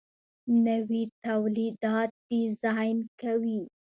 نوي تولیدات ډیزاین کوي.